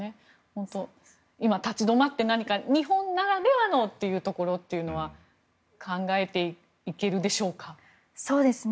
本当に今、立ち止まって何か日本ならではのというところというのは考えていけるでしょうか？